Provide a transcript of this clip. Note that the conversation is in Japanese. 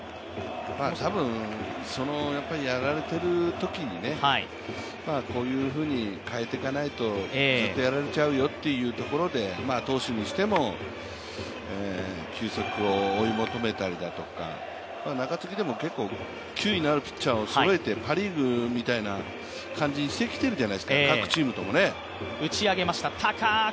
やられているときにこういうふうに変えていかないとずっとやられちゃうよというところで投手にしても球速を追い求めたりとか中継ぎでも結構、球威のあるピッチャーをそろえてパ・リーグみたいな感じにしてきてるじゃないですか、各チームともね。